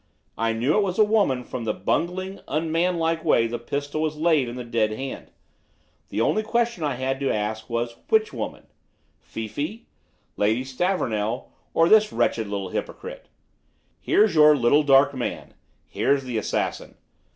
I knew it was a woman from the bungling, unmanlike way that pistol was laid in the dead hand; the only question I had to answer was which woman Fifi, Lady Stavornell, or this wretched little hypocrite. Here's your 'little dark man', here's the assassin.